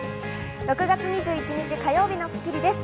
６月２１日、火曜日の『スッキリ』です。